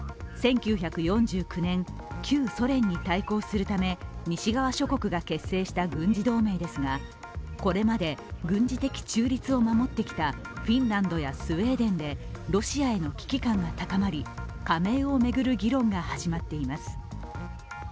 １９４９年、旧ソ連に対抗するため西側諸国が結成した軍事同盟ですが、これまで軍事的中立を守ってきたフィンランドやスウェーデンでロシアへの危機感が高まり加盟を巡る議論が始まっています。